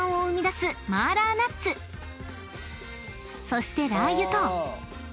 ［そしてラー油と］